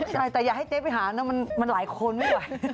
ใช่แต่อย่าให้เจ๊ไปหานะมันหลายคนมากกว่า